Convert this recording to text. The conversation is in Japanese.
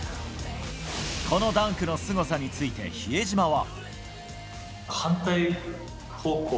このダンクのすごさについて比江島は。